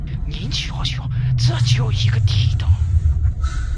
您瞧瞧，这叫一个地道！